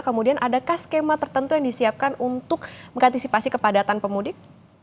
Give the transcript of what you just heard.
kemudian adakah skema tertentu yang disiapkan untuk mengantisipasi kepadatan pemudik